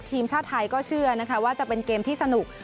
ทีมชาติไทยก็เชื่อนะคะว่าจะเป็นเกมที่สนุก